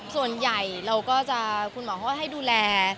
ส่วนใหญ่เราก็จะคุณหมอเขาก็ให้ดูแล